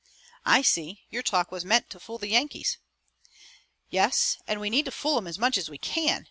"I see. Your talk was meant to fool the Yankees." "Yes, and we need to fool 'em as much as we can.